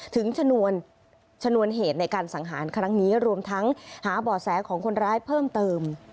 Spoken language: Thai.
ถึงชนวนเหตุในการสังหารครั้งนี้รวมทั้งหาบ่อแสของคนร้ายเพิ่มเติม